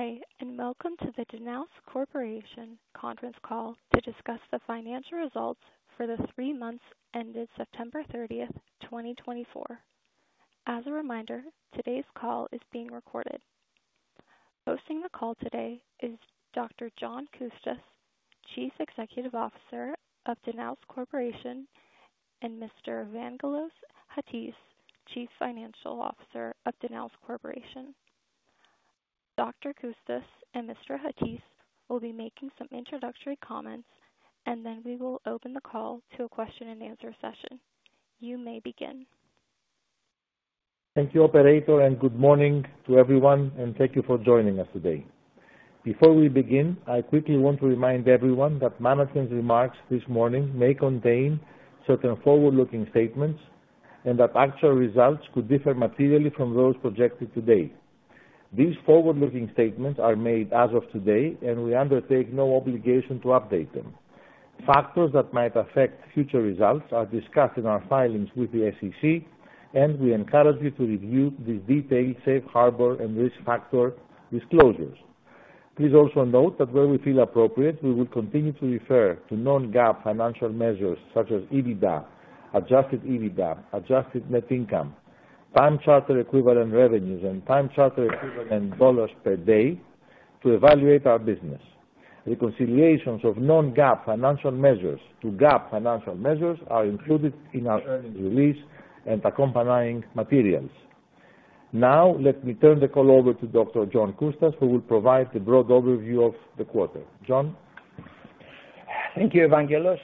Good day, and welcome to the Danaos Corporation conference call to discuss the financial results for the three months ended September 30th, 2024. As a reminder, today's call is being recorded. Hosting the call today is Dr. John Coustas, Chief Executive Officer of Danaos Corporation, and Mr. Evangelos Chatzis, Chief Financial Officer of Danaos Corporation. Dr. Coustas and Mr. Chatzis will be making some introductory comments, and then we will open the call to a question-and-answer session. You may begin. Thank you, Operator, and good morning to everyone, and thank you for joining us today. Before we begin, I quickly want to remind everyone that Manos' remarks this morning may contain certain forward-looking statements and that actual results could differ materially from those projected today. These forward-looking statements are made as of today, and we undertake no obligation to update them. Factors that might affect future results are discussed in our filings with the SEC, and we encourage you to review these detailed safe harbor and risk factor disclosures. Please also note that where we feel appropriate, we will continue to refer to Non-GAAP financial measures such as EBITDA, adjusted EBITDA, adjusted net income, time-charter equivalent revenues, and time-charter equivalent dollars per day to evaluate our business. Reconciliations of Non-GAAP financial measures to GAAP financial measures are included in our earnings release and accompanying materials. Now, let me turn the call over to Dr. John Coustas, who will provide the broad overview of the quarter. John? Thank you, Evangelos.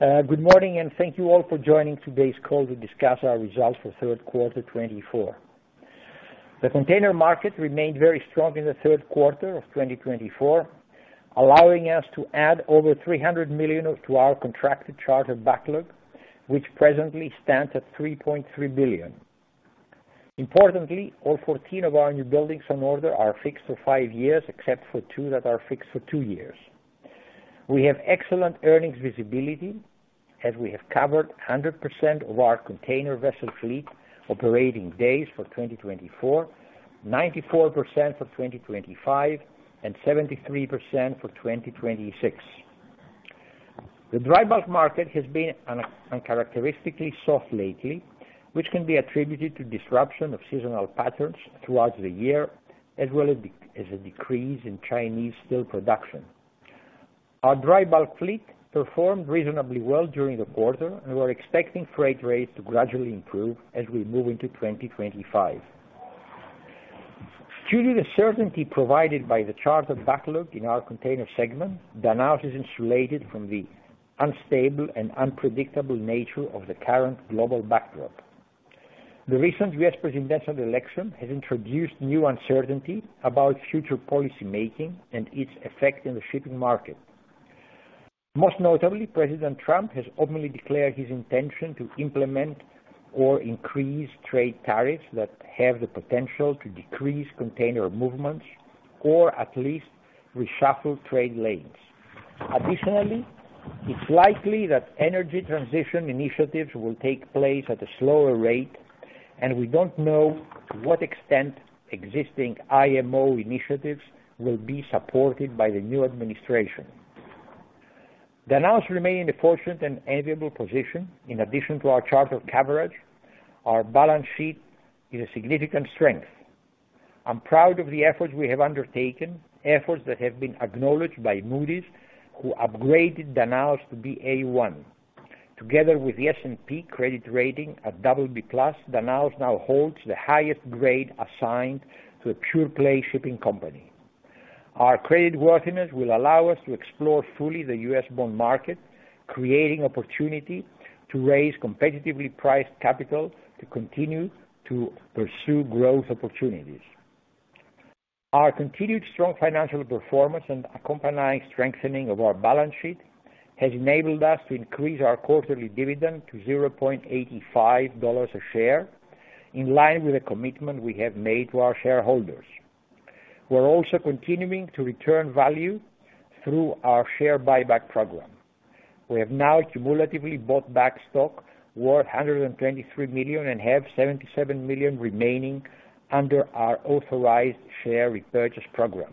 Good morning, and thank you all for joining today's call to discuss our results for third quarter 2024. The container market remained very strong in the third quarter of 2024, allowing us to add over $300 million to our contracted charter backlog, which presently stands at $3.3 billion. Importantly, all 14 of our newbuildings on order are fixed for five years, except for two that are fixed for two years. We have excellent earnings visibility, as we have covered 100% of our container vessel fleet operating days for 2024, 94% for 2025, and 73% for 2026. The dry bulk market has been uncharacteristically soft lately, which can be attributed to disruption of seasonal patterns throughout the year, as well as a decrease in Chinese steel production. Our dry bulk fleet performed reasonably well during the quarter, and we're expecting freight rates to gradually improve as we move into 2025. Due to the certainty provided by the charter backlog in our container segment, Danaos is insulated from the unstable and unpredictable nature of the current global backdrop. The recent U.S. Presidential election has introduced new uncertainty about future policymaking and its effect in the shipping market. Most notably, President Trump has openly declared his intention to implement or increase trade tariffs that have the potential to decrease container movements or at least reshuffle trade lanes. Additionally, it's likely that energy transition initiatives will take place at a slower rate, and we don't know to what extent existing IMO initiatives will be supported by the new administration. Danaos remains in a fortunate and enviable position. In addition to our charter coverage, our balance sheet is a significant strength. I'm proud of the efforts we have undertaken, efforts that have been acknowledged by Moody's, who upgraded Danaos to Ba1. Together with the S&P credit rating at BB plus, Danaos now holds the highest grade assigned to a pure-play shipping company. Our creditworthiness will allow us to explore fully the U.S. bond market, creating opportunity to raise competitively priced capital to continue to pursue growth opportunities. Our continued strong financial performance and accompanying strengthening of our balance sheet has enabled us to increase our quarterly dividend to $0.85 a share, in line with the commitment we have made to our shareholders. We're also continuing to return value through our share buyback program. We have now cumulatively bought back stock worth $123 million and have $77 million remaining under our authorized share repurchase program.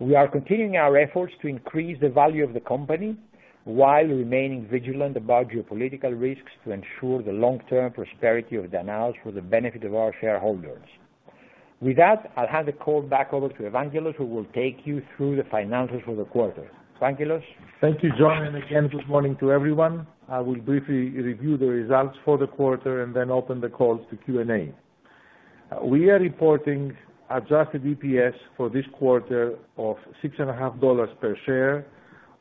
We are continuing our efforts to increase the value of the company while remaining vigilant about geopolitical risks to ensure the long-term prosperity of Danaos for the benefit of our shareholders. With that, I'll hand the call back over to Evangelos, who will take you through the finances for the quarter. Evangelos? Thank you, John, and again, good morning to everyone. I will briefly review the results for the quarter and then open the call to Q&A. We are reporting adjusted EPS for this quarter of $6.5 per share,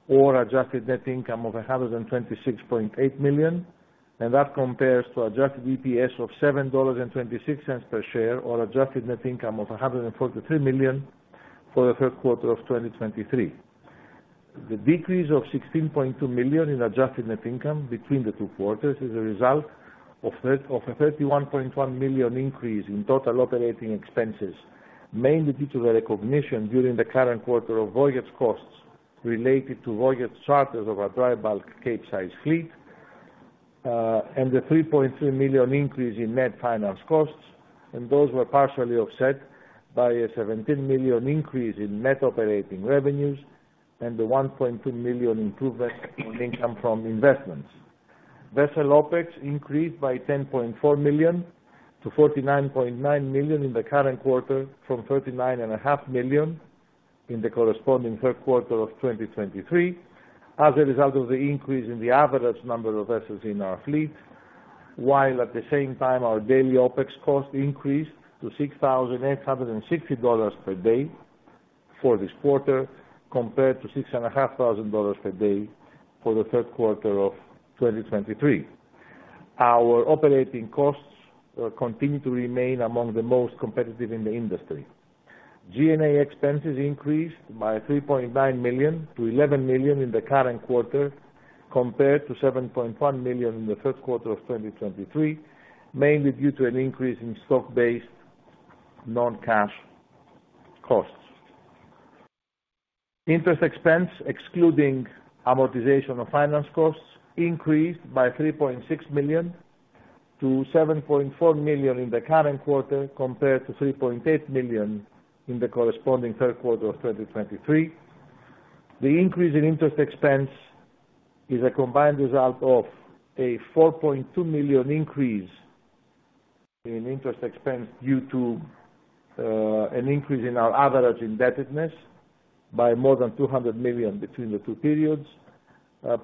or adjusted net income of $126.8 million, and that compares to adjusted EPS of $7.26 per share, or adjusted net income of $143 million for the third quarter of 2023. The decrease of $16.2 million in adjusted net income between the two quarters is a result of a $31.1 million increase in total operating expenses, mainly due to the recognition during the current quarter of voyage costs related to voyage charters of our dry bulk Capesize fleet, and the $3.3 million increase in net finance costs, and those were partially offset by a $17 million increase in net operating revenues and the $1.2 million improvement in income from investments. Vessel OPEX increased by $10.4 million-$49.9 million in the current quarter, from $39.5 million in the corresponding third quarter of 2023, as a result of the increase in the average number of vessels in our fleet, while at the same time, our daily OPEX cost increased to $6,860 per day for this quarter, compared to $6,500 per day for the third quarter of 2023. Our operating costs continue to remain among the most competitive in the industry. G&A expenses increased by $3.9 million-$11 million in the current quarter, compared to $7.1 million in the third quarter of 2023, mainly due to an increase in stock-based non-cash costs. Interest expense, excluding amortization of finance costs, increased by $3.6 million-$7.4 million in the current quarter, compared to $3.8 million in the corresponding third quarter of 2023. The increase in interest expense is a combined result of a $4.2 million increase in interest expense due to an increase in our average indebtedness by more than $200 million between the two periods,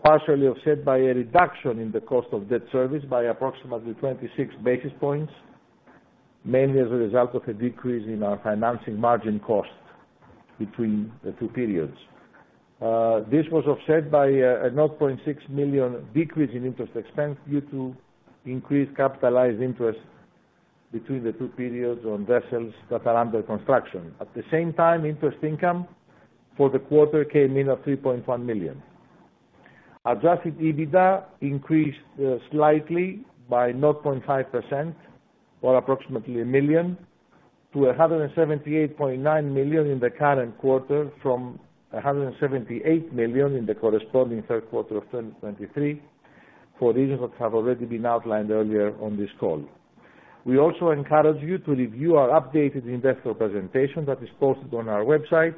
partially offset by a reduction in the cost of debt service by approximately 26 basis points, mainly as a result of a decrease in our financing margin cost between the two periods. This was offset by a $0.6 million decrease in interest expense due to increased capitalized interest between the two periods on vessels that are under construction. At the same time, interest income for the quarter came in at $3.1 million. Adjusted EBITDA increased slightly by 0.5%, or approximately a million, to $178.9 million in the current quarter, from $178 million in the corresponding third quarter of 2023, for reasons that have already been outlined earlier on this call. We also encourage you to review our updated investor presentation that is posted on our website,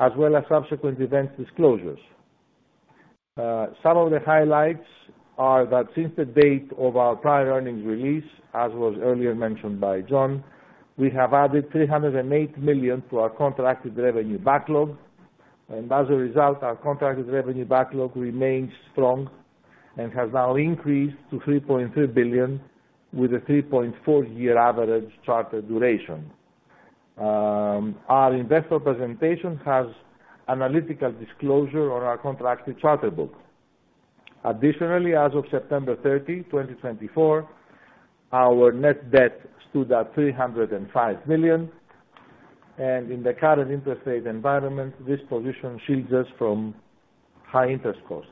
as well as subsequent events disclosures. Some of the highlights are that since the date of our prior earnings release, as was earlier mentioned by John, we have added $308 million to our contracted revenue backlog, and as a result, our contracted revenue backlog remains strong and has now increased to $3.3 billion, with a 3.4-year average charter duration. Our investor presentation has analytical disclosure on our contracted charter book. Additionally, as of September 30, 2024, our net debt stood at $305 million, and in the current interest rate environment, this position shields us from high interest costs.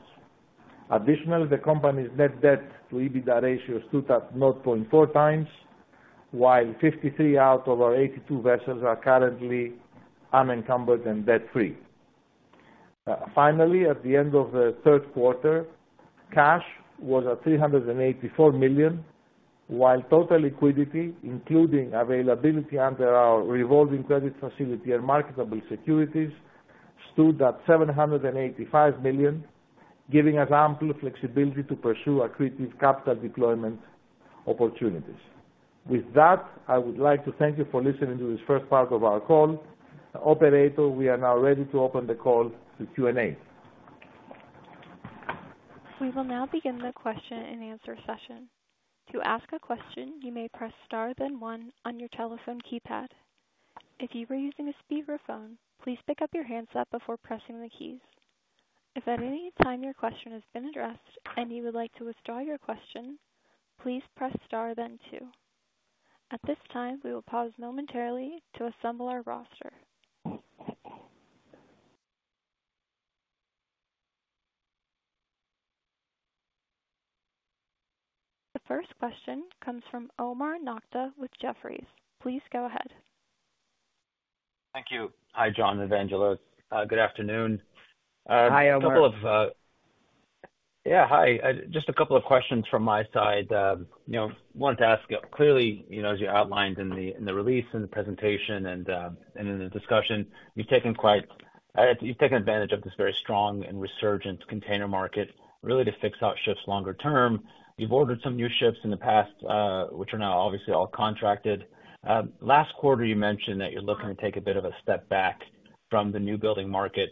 Additionally, the company's net debt-to-EBITDA ratio stood at 0.4 times, while 53 out of our 82 vessels are currently unencumbered and debt-free. Finally, at the end of the third quarter, cash was at $384 million, while total liquidity, including availability under our revolving credit facility and marketable securities, stood at $785 million, giving us ample flexibility to pursue accretive capital deployment opportunities. With that, I would like to thank you for listening to this first part of our call. Operator, we are now ready to open the call to Q&A. We will now begin the question-and-answer session. To ask a question, you may press star then one on your telephone keypad. If you are using a speakerphone, please pick up the handset before pressing the keys. If at any time your question has been addressed and you would like to withdraw your question, please press star then two. At this time, we will pause momentarily to assemble our roster. The first question comes from Omar Nokta with Jefferies. Please go ahead. Thank you. Hi, John and Evangelos. Good afternoon. Hi, Omar. A couple of. Yeah, hi. Just a couple of questions from my side. I wanted to ask, clearly, as you outlined in the release, in the presentation, and in the discussion, you've taken advantage of this very strong and resurgent container market, really to fix out ships longer term. You've ordered some new ships in the past, which are now obviously all contracted. Last quarter, you mentioned that you're looking to take a bit of a step back from the newbuilding market,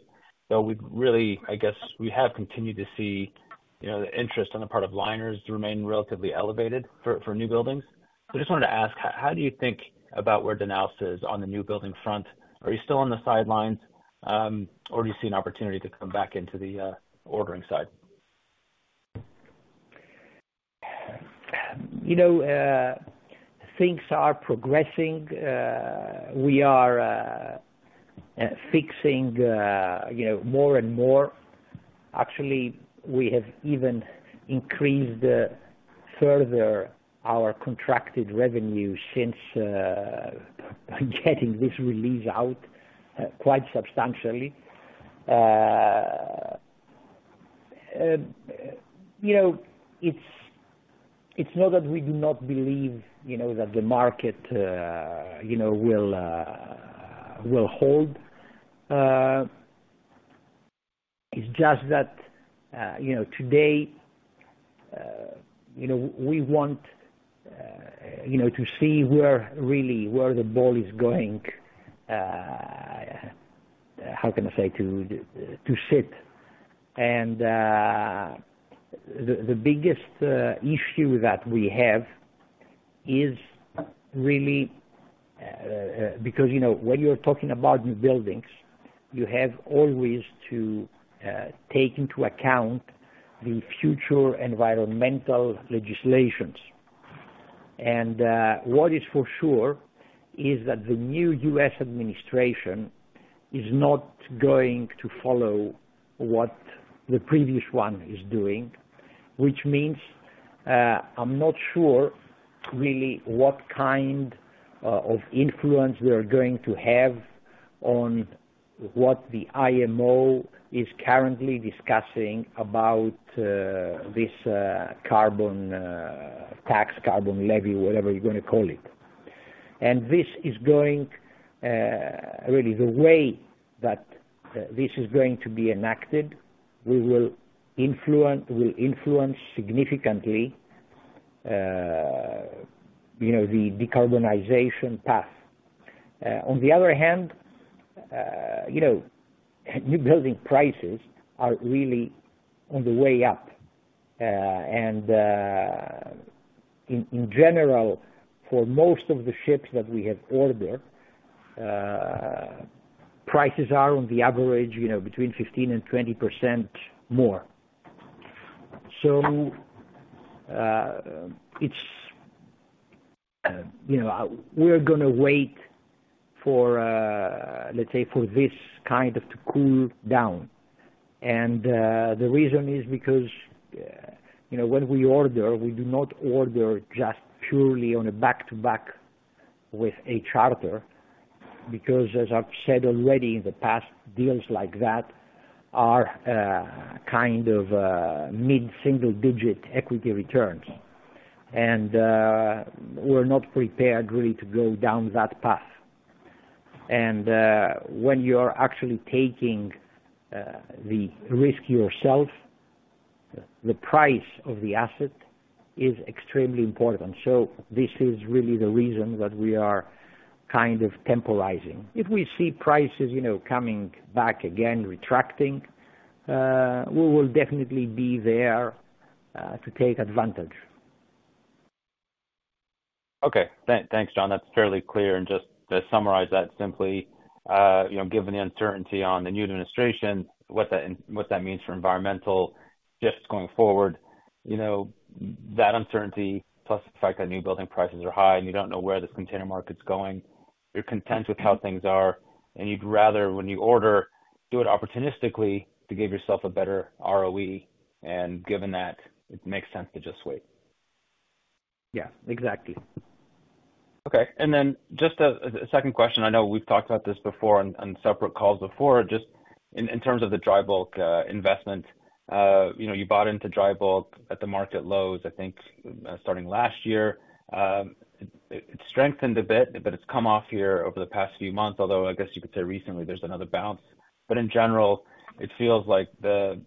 though we've really, I guess, we have continued to see the interest on the part of liners remain relatively elevated for new buildings. So I just wanted to ask, how do you think about where Danaos is on the new building front? Are you still on the sidelines, or do you see an opportunity to come back into the ordering side? Things are progressing. We are fixing more and more. Actually, we have even increased further our contracted revenue since getting this release out quite substantially. It's not that we do not believe that the market will hold. It's just that today we want to see where really the ball is going, how can I say, to sit. And the biggest issue that we have is really because when you're talking about new buildings, you have always to take into account the future environmental legislations. And what is for sure is that the new U.S. administration is not going to follow what the previous one is doing, which means I'm not sure really what kind of influence they're going to have on what the IMO is currently discussing about this carbon tax, carbon levy, whatever you're going to call it. And this is going really the way that this is going to be enacted, will influence significantly the decarbonization path. On the other hand, newbuilding prices are really on the way up. And in general, for most of the ships that we have ordered, prices are on the average between 15% and 20% more. So we're going to wait for, let's say, for this kind of to cool down. And the reason is because when we order, we do not order just purely on a back-to-back with a charter, because, as I've said already in the past, deals like that are kind of mid-single-digit equity returns, and we're not prepared really to go down that path. And when you're actually taking the risk yourself, the price of the asset is extremely important. So this is really the reason that we are kind of temporizing. If we see prices coming back again, retracting, we will definitely be there to take advantage. Okay. Thanks, John. That's fairly clear. And just to summarize that simply, given the uncertainty on the new administration, what that means for environmental shifts going forward, that uncertainty, plus the fact that newbuilding prices are high and you don't know where this container market's going, you're content with how things are, and you'd rather, when you order, do it opportunistically to give yourself a better ROE. And given that, it makes sense to just wait. Yeah, exactly. Okay. And then just a second question. I know we've talked about this before on separate calls before. Just in terms of the dry bulk investment, you bought into dry bulk at the market lows, I think, starting last year. It's strengthened a bit, but it's come off here over the past few months, although I guess you could say recently there's another bounce. But in general, it feels like the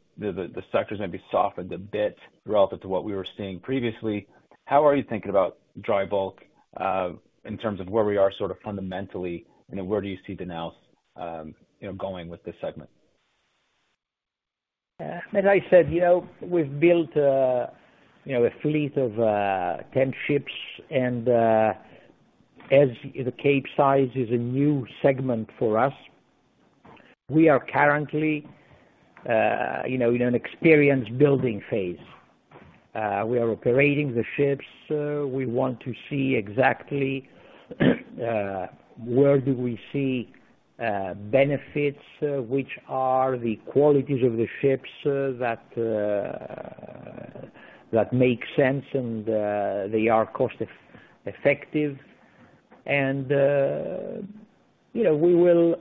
sectors maybe softened a bit relative to what we were seeing previously. How are you thinking about dry bulk in terms of where we are sort of fundamentally? And where do you see Danaos going with this segment? As I said, we've built a fleet of 10 ships, and as the Capesize is a new segment for us, we are currently in an experience-building phase. We are operating the ships. We want to see exactly where do we see benefits, which are the qualities of the ships that make sense and they are cost-effective. And we will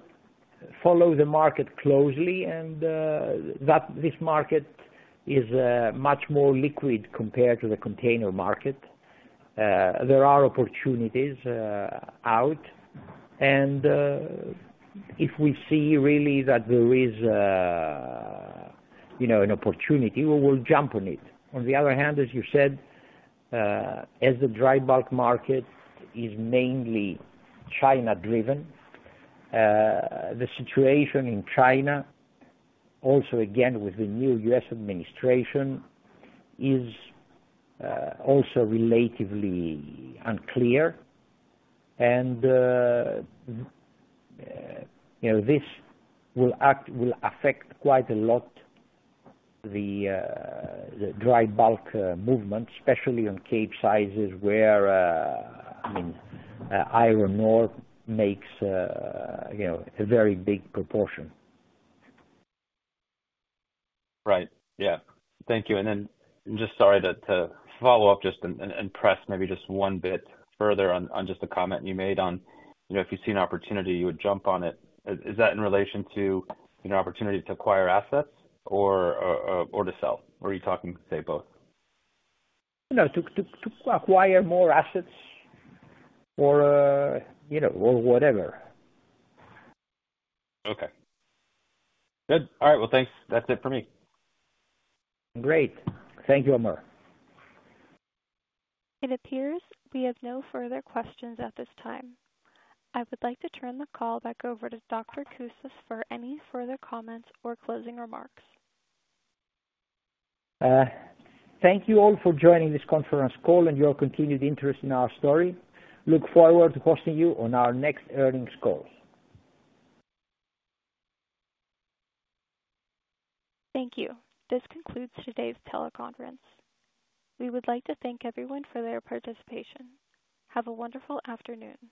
follow the market closely, and this market is much more liquid compared to the container market. There are opportunities out. And if we see really that there is an opportunity, we will jump on it. On the other hand, as you said, as the dry bulk market is mainly China-driven, the situation in China, also again with the new U.S. administration, is also relatively unclear. This will affect quite a lot the dry bulk movement, especially on Capesize where, I mean, iron ore makes a very big proportion. Right. Yeah. Thank you. And then I'm just sorry to follow up just and press maybe just one bit further on just the comment you made on if you see an opportunity, you would jump on it. Is that in relation to an opportunity to acquire assets or to sell? Or are you talking, say, both? No, to acquire more assets or whatever. Okay. Good. All right. Well, thanks. That's it for me. Great. Thank you, Omar. It appears we have no further questions at this time. I would like to turn the call back over to Dr. Coustas for any further comments or closing remarks. Thank you all for joining this conference call and your continued interest in our story. Look forward to hosting you on our next earnings call. Thank you. This concludes today's teleconference. We would like to thank everyone for their participation. Have a wonderful afternoon.